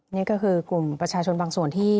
นี่ก็คือกลุ่มประชาชนบางส่วนที่